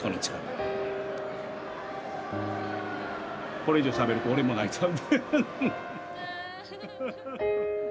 これ以上しゃべると俺も泣いちゃう。